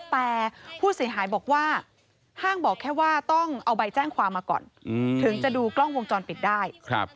แต่ผู้เสียหายบอกว่าห้างบอกแค่ว่าต้องเอาใบแจ้งความมาก่อนถึงจะดูกล้องวงจรปิดได้